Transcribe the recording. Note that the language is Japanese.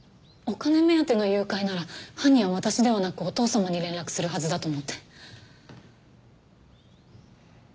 お金目当ての誘拐なら犯人は私ではなくお義父様に連絡するはずだと思って。